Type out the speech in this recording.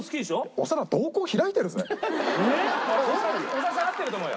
俺長田さん合ってると思うよ。